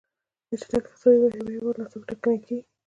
د چټکې اقتصادي ودې بهیر ولې ناڅاپه ټکنی کېږي.